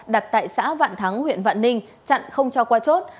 đặt tại xã vạn thắng huyện vạn ninh chặn không cho qua chốt